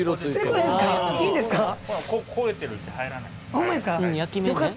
ホンマですか？